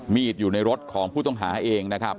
มีดอยู่ในรถของผู้ต้องหาเองนะครับ